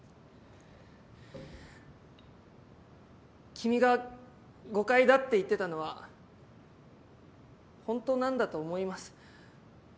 君が誤解だって言ってたのはほんとなんだと思います。